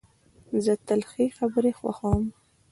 زه تل ښې خبري خوښوم.